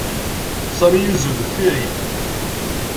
Sami yuzzel deffir-i.